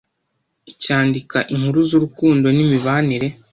cyandika inkuru z’urukundo n’imibanire